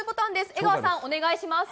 江川さん、お願いします。